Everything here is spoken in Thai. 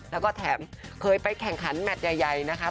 แล้วก็แถมเคยไปแข่งขันแมทใหญ่นะคะ